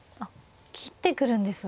切ってくるんですね。